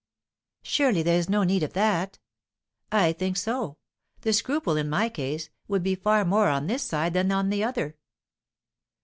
"Surely there is no need of that?" "I think so. The scruple, in my case, would be far more on this side than on the other."